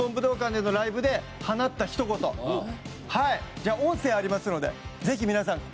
じゃあ音声ありますのでぜひ皆さん聞いてください。